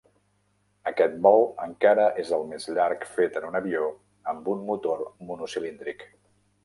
Aquest vol encara és el més llarg fet en un avió amb un motor monocilíndric.